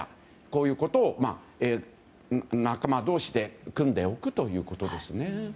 こういうことを仲間同士で組んでおくということですね。